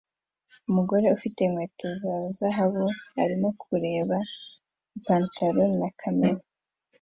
Umugore ufite inkweto za zahabu arimo kureba ipantaro na kamera